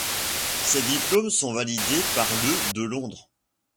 Ces diplômes sont validés par le de Londres.